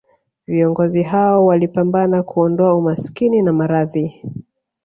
Viongozi hao walipambana kuondoa umaskini na maradhi